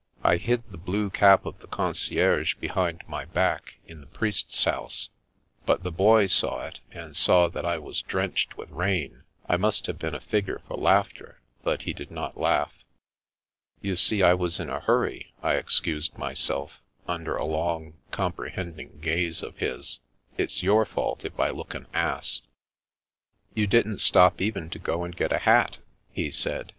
I hid the blue cap of the concierge behind my back, in the priest's house, but the Boy saw it, and saw that I was drenched with rain. I must have been a figure for laughter, but he did not laugh. "You see, I was in a hurry," I excused mjrself, under a long, comprehending gaze of his. "It's your fault if I look an ass." " You didn't stop even to go and get a hat," he 198 The Princess Passes said.